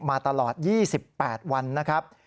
มาตลอด๒๘วันนะครับ